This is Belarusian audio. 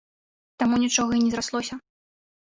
Таму нічога і не зраслося.